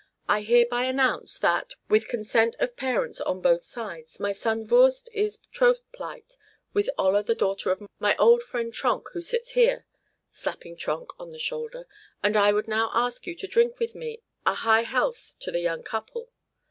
I hereby announce that, with consent of parents on both sides, my son Voorst is troth plight with Olla the daughter of my old friend Tronk who sits here," slapping Tronk on the shoulder, "and I would now ask you to drink with me a high health to the young couple."